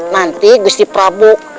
nanti gusti prabu